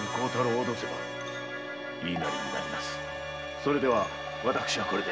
それでは私はこれで。